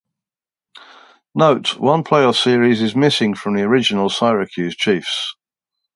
Note: One playoff series is missing from the original Syracuse Chiefs.